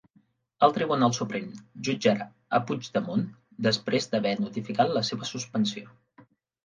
El Tribunal Suprem jutjarà a Puigdemont després d'haver notificat la seva suspensió